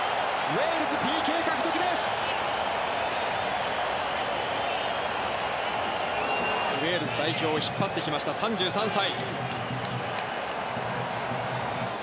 ウェールズ代表を引っ張ってきた３３歳。